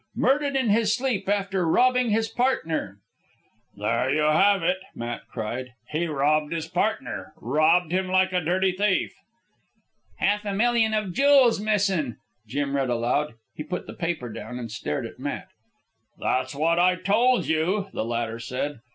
"MURDERED IN HIS SLEEP AFTER ROBBING HIS PARTNER." "There you have it!" Matt cried. "He robbed his partner robbed him like a dirty thief." "Half a million of jewels missin'," Jim read aloud. He put the paper down and stared at Matt. "That's what I told you," the latter said.